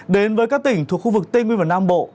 đến với các tỉnh thuộc khu vực tây nguyên và nam bộ